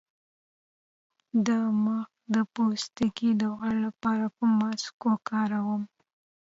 د مخ د پوستکي د غوړ لپاره کوم ماسک وکاروم؟